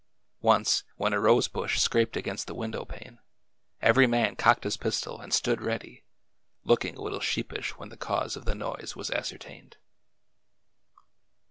Once, when a rose bush scraped against the window pane, every man cocked his pistol and stood ready, looking a little sheepish when the cause of the noise was ascertained.